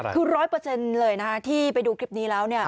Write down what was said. คือร้อยเปอร์เซ็นต์เลยนะที่ไปดูคลิปนี้แล้ว